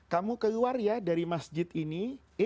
kamu keluar ya dari masjid ini